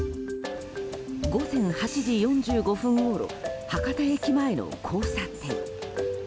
午前８時４５分ごろ博多駅前の交差点。